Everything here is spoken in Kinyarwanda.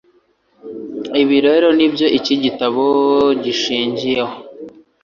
ibi rero ni byo iki gitabo gishingiye ho